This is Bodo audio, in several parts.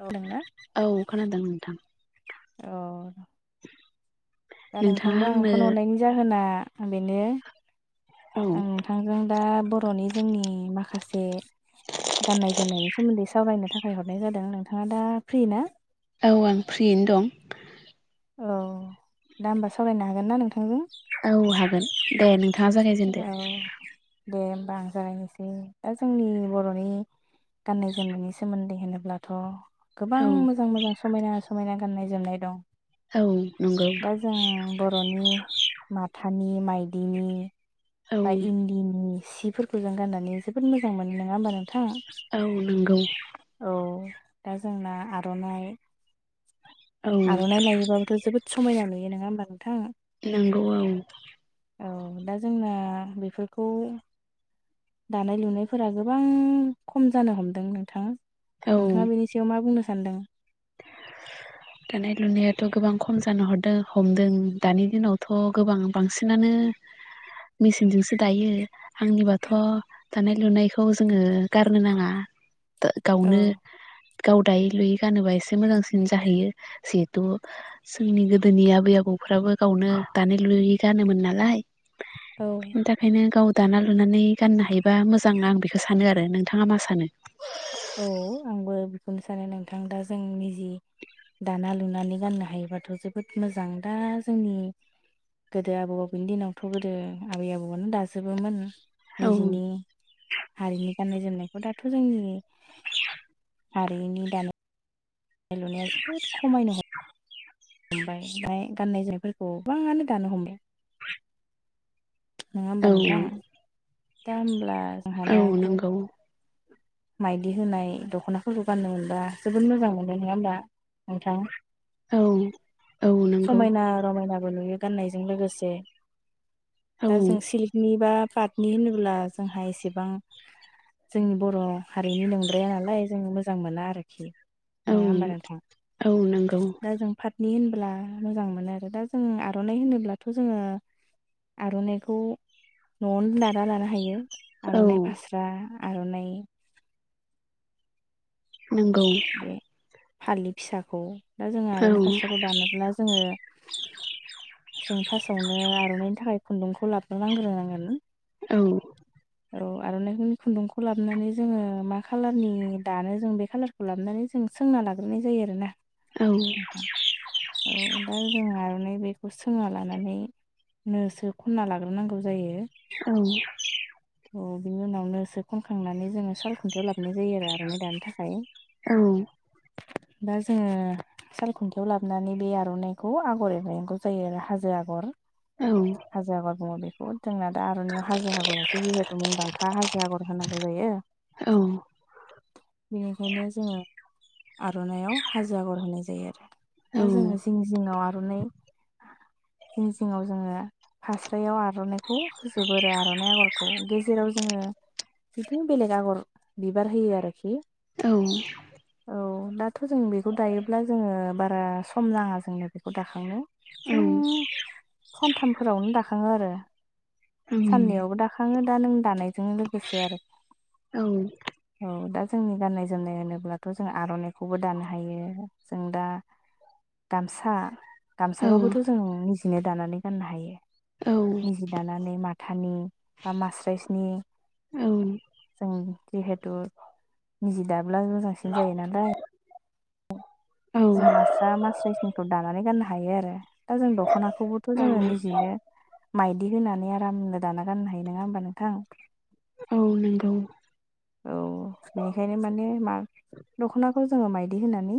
दोंना औ खोनादों नोंथां औ दा नोंथाङा नोंथांनो आं आंनो फन हरनायनि जाहोना बेनो औ आं नोंथांजों दा बर'नि जोंनि माखासे गाननाय जोमनायनि सोमोन्दै सावरायनो थाखाय हरनाय जादों नोंथाङा दा फ्रि ना औ आं फ्रियैनो दं औ दा होमबा सावरायनो हागोन ना नोंथांजों औ हागोन दे नोंथाङा जागायजेनदो बा आं जागायनोसै दा जोंनि बर'नि गाननाय-जोमनायनि सोमोन्दै होनोब्लाथ' गोबां औ मोजां-मोजां समायना-समायना गाननाय-जोमनाय दं औ नंगौ दा जों बर'नि माथानि माइदिनि औ बा इन्दिनि सिफोरखौ जों गाननानै जोबोद मोजां मोनो नङा होमबा नों -थां औ नंगौ औ दा जोंना आर'नाइ औ आर'नाइ लायोबाबोथ' जोबोद समायना नुयो नङा होमबा नोंथां नंगौ औ औ दा जोंना बेफोरखौ दानाय लुनायफोरा गोबां खम जानो हमदों नोंथाङा। औ नोंथाङा बेनि सायाव मा बुंनो सानदों? [inaudible] दानाय लुनायाथ' गोबां खम जानो हरदों हमदों, दानि दिनावथ' गोबां बांसिनानो मेसिनजोंसो दायो। आंनिबाथ' दानाय लुनायखौ जोङो गारनो नाङा। औ गावनो गाव दायै लुयै गानोबा एस एसे मोजांसिन जाहैयो। जिहेथु जोंनि गोदोनि आबै आबौफ्राबो गावनो दानाय लु यै गानोमोन नालाय। औ बिनि थाखायनो गाव दाना लुनानै गाननो हायोबा मोजां आं बेखो सानो आरो नोंथाङा मा सानो? औ आंबो बेखौनो सानो नोंथां। दा जोंनि जि दाना लुनानै गाननो हायोबाथ' जोबोद मोजां। दा जोंनि गोदो आबौ आबैनि दिनावथ' गोदो आबै आबौआनो दाजोबोमोन। औ निजेनि हारिनि गाननाय जोमनायखौ। दाथ' जोंनि हारिनि दानाय लुनाया जोबोद खमायनो हम हमबाय । ओमफ्राय गाननाय जोमनायफोरखौ गोबाङानो दानो हमबाय। नङा होमबा नोंथां? दा होमब्ला जोंहा औ दा ग नंगौ माइदि होनाय दख'नाफोरखौ गाननो मोनबा जोबोद मोजां मोनो, नङा होमबा । नोंथां? औ औ नंगौ समायना रमायनाबो नुयो। गाननायजों लोगोसे, औ दा जों सिल्कनि बा पाटनि होनोब्ला जोंहा एसेबां जोंनि बर' हारिनि नोंद्राया नालाय। जों मोजां मोना आरोखि। औ नङा होमबा औ नोंगौ। पातनि होनबोला मोजां मोनो आरो दा जों आर'नाइ होनोब्लाथ' जोङो आर'नाइखौ न'आवनो दाना लानो हायो औ आर'नाइ फास्रा, आर'नाइ नंगौ। बे फालि फिसाखौ। दा जोङो औ आर'नाइ फास्राखौ दानोब्ला जोङो जों फासावनो आर'नाइनि थाखाय खुन्दुंखौ लाबना नांग्रोनांगोन। औ। औ आर'नाइफोरनि खुन्दुंखौ लाबोनानै जोङो मा खालारनि दानो जों बे खाालार खौ लाबोनानै जों सोंना लाग्रोनाय जायो आरोना। औ नोंथां। औ दा जों आर'नाइ बाय खौ सोंना लानानै नो सो खनना लाग्रोनांगौ जायो। औ औ बिनि उनाव नो सो खन खांनानै जोङो साल खुन्थियाव लाबोनाय जायो आरो आर'नाइ दानो थाखाय। दा जोङो सालखुन्थायाव लाबोनानै बे आर'नाइखौ आगर एरनांगौ जायो आरो हाजो आगर। औ हाजो आगर बुङो बेखौ। दोंना दा आर'नायाव हाजो हागर जिहेतु मुंदांखा हाजो आगर होनांगौ जायो। औ बेनिखायनो जोङो आर'नायाव हाजो आगर होनाय जायो आरो। दा जोङो जिं जिङाव आर'नाइ जिं जिङाव जोङो फास्रायाव आर'नाइखौ होजोबो आरो आर'नाइ आगर खौ। गेजेराव जोङो बिदिनो बेलेग आगर बिबार होयो आरोखि। औ। औ दाथ' जों बेखौ दायोब्ला जोङो बारा सम नाङा जोंनो बेखौ दाखांनो। औ जों सानथामफोरावनो दाखाङो आरो साननैयावबो दाखां नों दा नों दानायजों लोगोसे आरो। औ दा जोंनि गाननाय जोमनाय होनोब्लाथ' जों आर'नाइखौबो दानो हायो। जों दा गामसा गामसाखौबोथ' जोङो निजिनो दानानै गाननो हायो औ निजि दानानै माथानि बा मास्राइसनि औ जों जिहेथु निजि दाब ब्ला मोजांसिन जायो नालाय औ जों मास्रा मास्राइसनिखौ दानानै गाननो हायो आरो दा जों दख'नाखौबोथ' औ जोङो निजिनो माइदि होनानै आरामनो दाना गाननो हायो नङा होमबा नोंथां औ नंगौ औ बेनिखायनो माने मा दख'ना खौ जोङो मायदि होनानै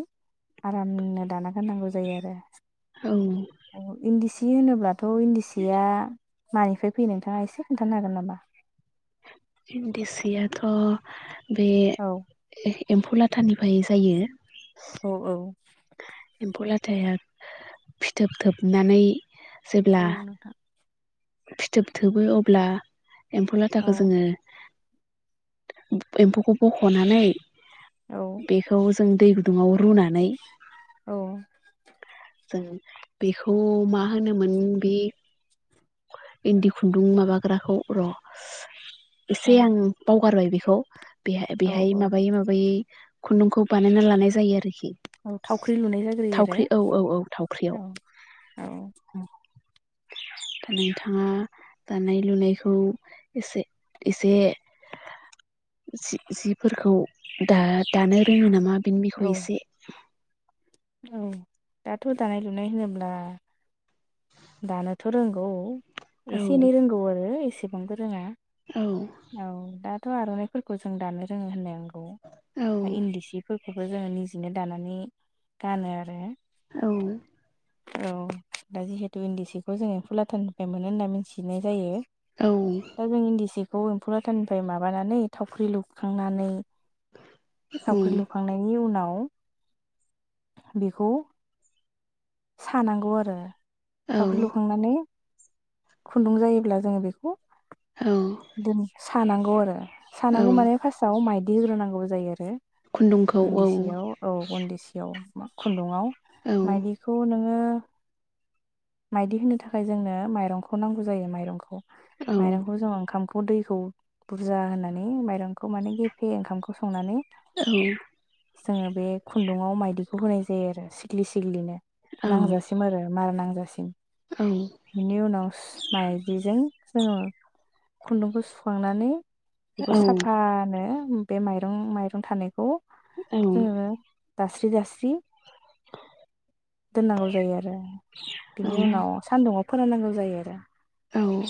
आरामनो दाना गा गाननांगौ जायो औ आरो इन्दि सि होनोब्लाथ' इन्दि सिया मानिफ्राय फैयो नोंथाङा एसे खोन्थानो हागोन नामा इन्दिसियाथ' बे औ एम्फौ लाथानिफ्राय जायो औ औ एम्फौ लाथाया फिथोब थोबनानै औ जेब्ला नोंथां फिथोब थोबो अब्ला एम्फौ औ लाथाखौ जोङो एम्फौखौ बख'नानै औ बेखौ जों दै गुदुङाव रुनानै औ जों बेखौ मा होनोमोन बे इन्दि खुन्दुं माबाग्राखौ र' औ एसे आं बावगारबाय बेखौ खौ बेहा औ बेहाय औ माबायै माबायै खुन्दुंखौ बानायना लानाय जायो आरोखि औ थावख्रि लुनाय जाग्रोयो आरो थावख्रि औ औ औ औ थावख्रियाव नोंथाङा दानाय लुनायखौ एसे एसे जि जिफोरखौ दा दानो रोङो नामा बिनि बिखय औ एसे औ दाथ' दानाय लुनाय होनोब्ला दानोथ' रोंगौ एसे एनै औ रोंगौ आरो एसेबांबो रोङा औ औ दाथ' आर'नाइफोरखौ जों दानो रोङो होननायानो औ खौ इन्दि सिफोरखौबो जोङो निजिनो दानानै गानो आरो औ औ दा जिहेतु इन्दि सिखौ जोङो फुलाथाननिफ्राय मोनो होनना मिथिनाय जायो औ दा जों इन्दि सिखौ एम्फौ लाथानिफ्राय माबानानै थावख्रि लुखांनानै औ थावख्रि लुखांनायनि उनाव बेखौ सानांगौ आरो थावख्रि औ लुखांनानै खुन्दुं जायोब्ला जोङो बेखौ औ दोन सानांगौ आरो औ सानांगौ माने फार्स्टआव माइदि होग्रोनांगौबो जायो आरो खुन्दुंखौ औ इन्दि सियाव औ इन्दि सियाव खुन्दुुंआव औ मायदि खौ नोङो माइदि होनो थाखाय जोंनो माइरंखौ नांगौ जायो माइरंखौ औ माइरंखौ जों ओंखामखौ दैखौ बुरजा होनानै माइरंखौ माने गेफे ओंखामखौ संनानै जोङो बे खुन्दुङाव माइदिखौ होनाय जायो आरो सिग्लि सिग्लिनो नांजासिम आरो मार नांजासिम बेनि उनाव माइदिजों जोङो खुन्दुंखौ सुखांना नै बेखौ साफानो बे माइरं माइरं थानायखौ औ जोङो दास्रि दास्रि दोननांगौ जायो आरो बिनि उनाव सान्दुङाव फोराननांगौ जायो आरो औ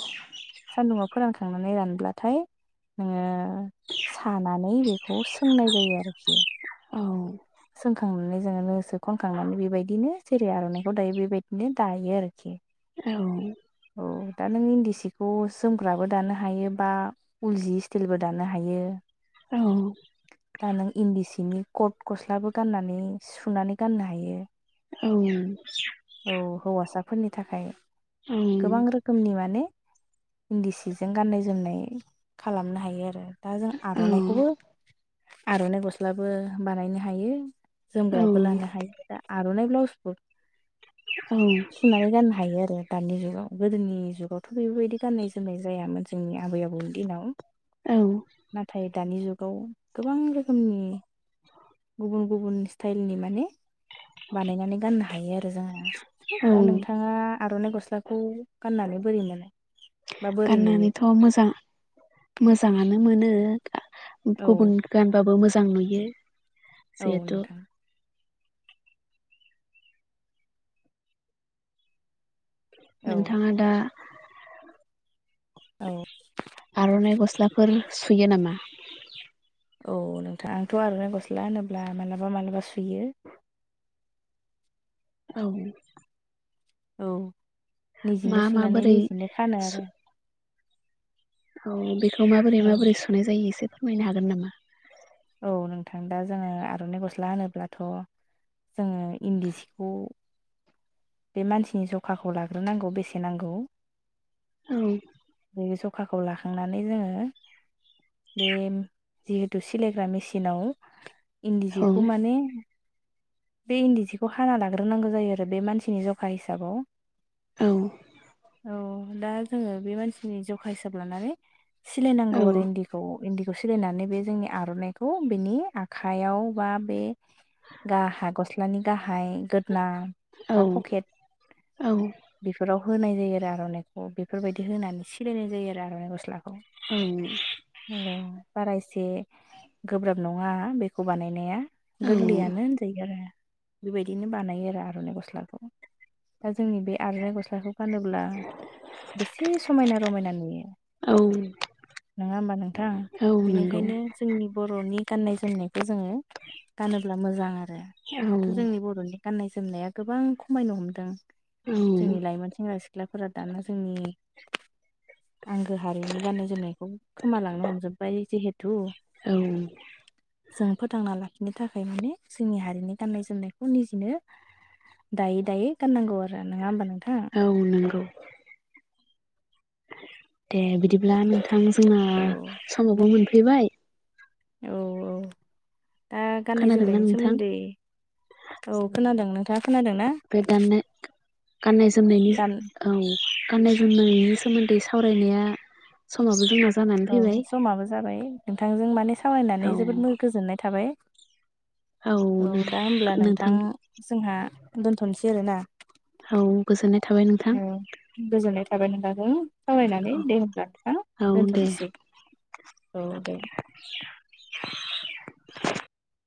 थांनानै रानब्लाथाय नोङो सानानै बेखौ सोंनाय जायो आरोखि औ सोंखांनानै जोङो नोसो खनखांनानै बेबायदिनो जेरै आर'नाइखौ दायो बेबायदिनो दायो आरोखि। औ। औ दा नों इन्दि सिखौ जोमग्राबो दानो हायो बा उल जि स्टिलबो दानो हायो। औ। दा नों इन्दि सिनि कट गस्लाबो गाननानै सुनानै गान्नो हायो। औ हौवासाफोरनि थाखाय। गोबां रोखोमनि माने इन्दि सिजों गान्नाय जोमनाय खालामनो हायो आरो। दा जों आर'नाइखौबो आर'नाइ गस्लाबो बानायनो हायो। जोमग्राबो लानो हायो दा आर'नाइ ब्लाउसबो। सुनानै गान्नो हायो आरो। दानि जुगाव गोदोनि जुगावथ' बेफोरबायदि गान्नाय जोमनाय जायामोन जोंनि आबै आबौनि दिनाव। औ नाथाय दानि जुगाव गोबां रोखोमनि गुबुन गुबुन स्टायलनि माने बानायनानै गान्नो हायो आरो जोङो औ दा नोंथाङा आर'नाइ गस्लाखौ गान्नानै बोरै मोनो। बा बोरै नुयो गान्नानैथ' मोजां मोजाङानो मोनो। औ गुबुन गानबाबो मोजां नुयो। औ जिहेथु नोंथां। औ नोंथाङा दा औ आर'नाइ गस्लाफोर सुयो नामा। औ नोंथां आंथ' आर'नाइ गस्ला होनोब्ला मालाबा मालाबा सुयो। औ। औ मा निजिनो सुनानै माबोरै निजिनो खानो आरो। औ बेखौ माबोरै औ माबोरै सुनाय जायो एसे फोरमायनो हागोन नामा? औ नोंथां दा जोङो आर'न्नाइ गस्ला होनोब्लाथ' जोङो इन्दि सिखौ बे मानसिनि जखाखौ लाग्रोनांगौ बेसे नांगौ। औ। खखाखौ लाखांनानै जोङो बेम जिहेथु सिलायग्रा मेसिनाव इन्दि औ जिखौ माने बे इन्दि जिखौ हाना लाग्रोनांगौ जायो आरो बे मानसिनि जखा हिसाबाव। औ औ दा जोङो बे मानसिनि जखा हिसाब लानानै सिलायनांगौ औ आरो इन्दिखौ इन्दि खौ सिलायनानै बे जोंनि आर'न्नाइखौ बेनि आखायाव बा बे गाह गस्लानि गाहाय गोदना औ बा पकेत औ बेफोराव होनाय जायो आरो आर'नाइखौ बेफोरबायदि होनानै सिलायनाय जायो आरो आर'नाइ गस्ला खौ औ बारा एस जे गोब्राब नङा बेखौ बानायनाया औ गोरलैयानो होनज आरो बेबायदिनो बानायो रा आर'नाइ गस्लाखौ। दा जोंनि बे आर'नाइ गस्लाखौ गानोब्ला बेसे समायना रमायना नुयो औ नङा होम्बा नोंथां। औ नंगौ बेनिखायनो जोंनि बर'नि गान्नाय जोमनायखौ जोङो गानोब्ला मोजां आ रो औ दाथ' जोंनि बर'नि गाननाय जोमनाया गोबां खमायनो हमदों। औ जोंनि लाइमोन सेंग्रा सिख्लाफोरा दाना जोंनि आंगो हारिनि गान्नाय जोमनायखौ खोमालांनो हमजोब्बाय जिहेथु। औ जों फोथांना लाखिनो थाखाय माने जोंनि हारिनि गान्नाय जोमनायखौ निजिनो दायै दायै गान्नांगौ आरो नोङा होम्बा नों औ नोंगौ। दे बिदिब्ला नोंथां जोंना औ समावबो मोनफैबाय। औ औ दा गाननाय खोनादोंना जोमनायनि नोंथां सोमोन्दै। औ जोंना खोनादों नोंथाङा खोनादों ना? बे दाननाय गाननाय जोमनायनि दाम औ गाननाय जोमनायनि सोमोन्दै सावरायनाया समाबो जोंना जानानै औ फैबाय समाबो जाबाय नोंथांजों माने सावरायनानै औ जोबोद गोजोननाय थाबाय। औ दा होब्ला नोंथां जोंहा दोनथ'नोसै आरोना। औ गोजोनाय औ गोजोननाय थाबाय बिनि बागै सावरायनानै दे होनब्ला ना औ दे दोनथ'नोसै औ दे